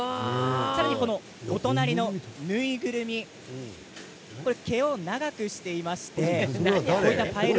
さらに、お隣の縫いぐるみ毛を長くしていまして。